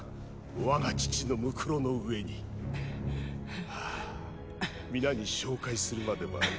我が父のむくろの上にああ皆に紹介するまでもあるまい